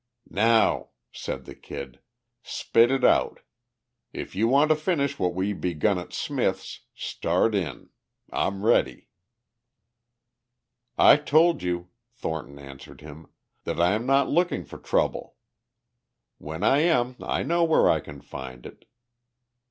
"Now," said the Kid, "spit it out. If you want to finish what we begun at Smith's start in. I'm ready." "I told you," Thornton answered him, "that I am not looking for trouble. When I am I know where I can find it."